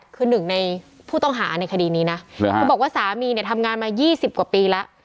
คือหนึ่งในผู้ต้องหาในคดีนี้นะคือบอกว่าสามีเนี่ยทำงานมา๒๐กว่าปีแล้ว